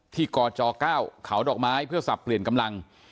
ที่ก่อจอก้าวขาวดอกไม้เพื่อสับเปลี่ยนกำลัง